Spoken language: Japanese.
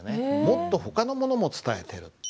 もっとほかのものも伝えてる。